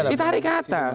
ditarik ke atas